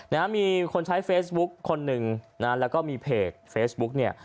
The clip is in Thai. นะฮะมีคนใช้เฟซบุ๊กคนหนึ่งนะฮะแล้วก็มีเพจเฟซบุ๊กเนี่ย